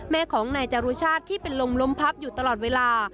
แม่ของนายจรุชาติที่เป็นลมล้มพับอยู่ตลอดเวลา